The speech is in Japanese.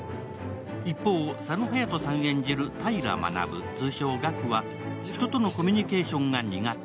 一方、佐野勇斗さん演じる平学、通称ガクは人とのコミュニケーションが苦手。